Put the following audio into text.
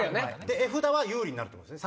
絵札は有利になるってことですね